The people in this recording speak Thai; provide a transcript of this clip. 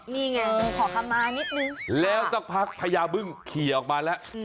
นี่ไงขอคำมานิดนึงค่ะแล้วสักพักพญาเบื้องเคลียร์ออกมาแล้ว